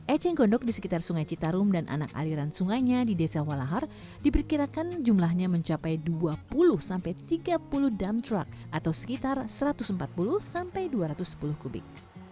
eceng gondok di sekitar sungai citarum dan anak aliran sungainya di desa walahar diperkirakan jumlahnya mencapai dua puluh tiga puluh dump truck atau sekitar satu ratus empat puluh sampai dua ratus sepuluh kubik